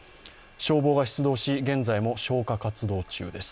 消防が出動し今も消火活動中です。